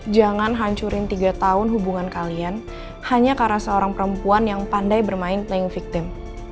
jangan hancurin tiga tahun hubungan kalian hanya karena seorang perempuan yang pandai bermain playing victim